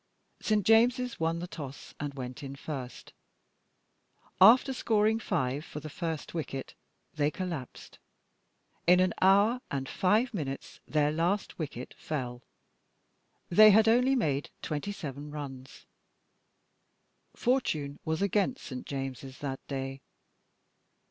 St. James's won the toss and went in first. After scoring 5 for the first wicket they collapsed; in an hour and five minutes their last wicket fell. They had only made 27 runs. Fortune was against St. James's that day.